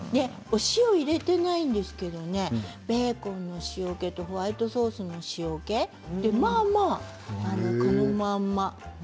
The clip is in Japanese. お塩を入れてないんですけど、ベーコンの塩けとホワイトソースの塩けでまあまあこのまんま。